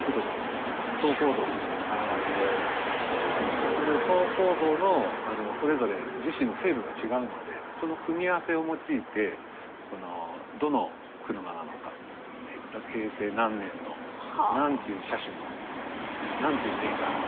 でその層構造のそれぞれ樹脂の成分が違うのでその組み合わせを用いてどの車なのか平成何年の何ていう車種の何ていうメーカーのと。